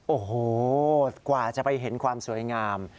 โอ้โหกว่าจะไปเห็นความสวยงาม